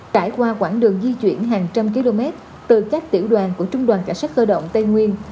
trải qua quãng đường di chuyển hàng trăm km từ các tiểu đoàn của trung đoàn cảnh sát cơ động tây nguyên